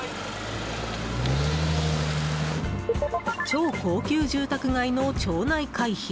超高級住宅街の町内会費